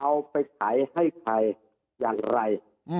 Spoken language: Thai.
เอาไปขายให้ใครอย่างไร